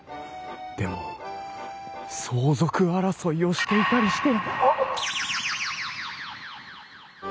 でも相続争いをしていたりして！